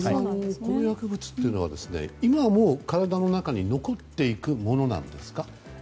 この薬物というのは今も体の中に残っていくものなんですか？